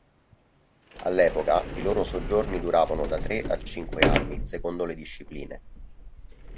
All'epoca, i loro soggiorni duravano da tre a cinque anni, secondo le discipline.